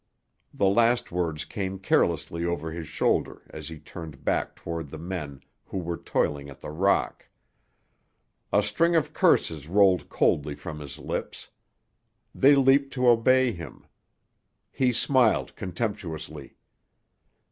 The last words came carelessly over his shoulder as he turned back toward the men who were toiling at the rock. A string of curses rolled coldly from his lips. They leaped to obey him. He smiled contemptuously.